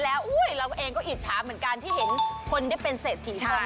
สมุทรปราการคุณโจนครรัชศรีน์มา